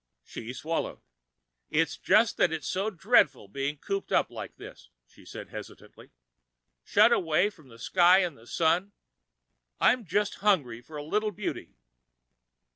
She swallowed. "It's just that it's so dreadful being cooped up like this," she said hesitatingly, "shut away from the sky and the Sun. I'm just hungry for a little beauty."